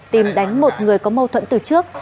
tìm đánh một người có mâu thuẫn từ trước